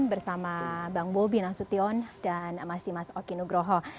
bersama bang bobi nasution dan mas dimas okinugroho